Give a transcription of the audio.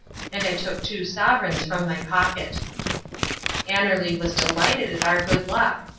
And I took two sovereigns from my pocket. Annerly was delighted at our good luck.